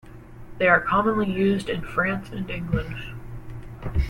They are commonly used in France and England.